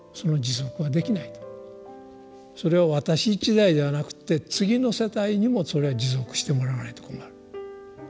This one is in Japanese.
それは私一代ではなくて次の世代にもそれは持続してもらわないと困る。